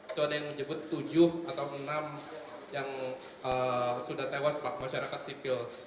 itu ada yang menyebut tujuh atau enam yang sudah tewas pak masyarakat sipil